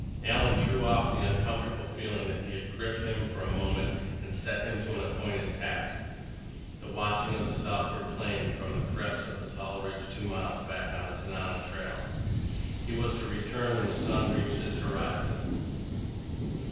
Alan threw off the uncomfortable feeling that had gripped him for a moment, and set him to an appointed task—the watching of the southward plain from the crest of a tall ridge two miles back on the Tanana trail. He was to return when the sun reached its horizon.